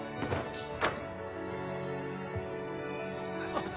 あっ